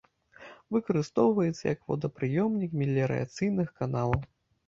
Выкарыстоўваецца як водапрыёмнік меліярацыйных каналаў.